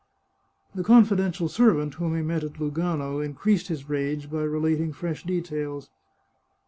The confidential servant whom he met at Lugano in creased his rage by relating fresh details.